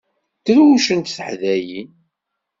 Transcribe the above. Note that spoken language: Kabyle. Drewcent teḥdayin.